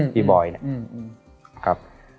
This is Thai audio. พี่บอยเนี่ยครับ